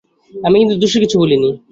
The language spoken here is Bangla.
আমি কিন্তু দোষের কিছু বলি নি।